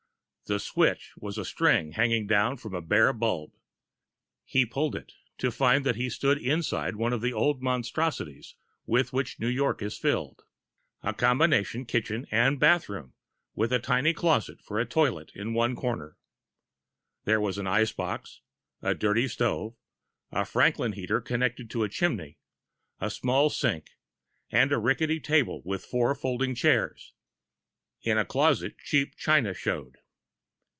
The switch was a string hanging down from a bare bulb. He pulled it, to find he stood inside one of the old monstrosities with which New York is filled a combination kitchen and bathroom, with a tiny closet for the toilet in one corner. There was an ice box, a dirty stove, a Franklin heater connected to the chimney, a small sink, and a rickety table with four folding chairs. In a closet, cheap china showed.